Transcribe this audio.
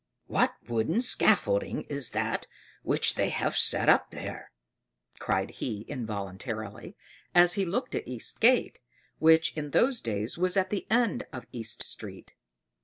What wooden scaffolding is that which they have set up there?" cried he involuntarily, as he looked at East Gate, which, in those days, was at the end of East Street.